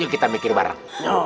yuk kita mikir bareng